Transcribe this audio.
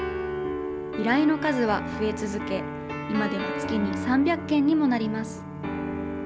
依頼の数は増え続け、今では月に３００件にもなります。